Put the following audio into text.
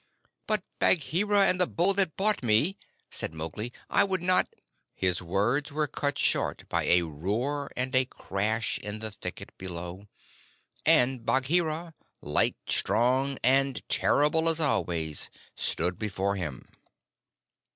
"But Bagheera and the Bull that bought me," said Mowgli. "I would not " His words were cut short by a roar and a crash in the thicket below, and Bagheera, light, strong, and terrible as always, stood before him.